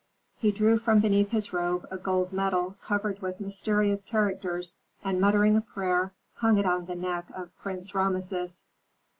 He drew from beneath his robe a gold medal covered with mysterious characters, and, muttering a prayer, hung it on the neck of Prince Rameses.